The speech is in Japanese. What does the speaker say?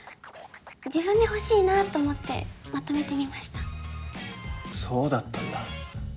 自分で欲しいなと思ってまとめてみましたそうだったんだ